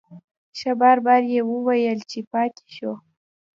په بار بار یې وویل چې پاتې شو.